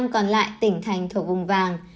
một mươi năm còn lại tỉnh thành thuộc vùng vàng